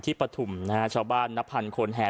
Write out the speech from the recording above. ที่ปฐุมชาวบ้านนับพันคนแห่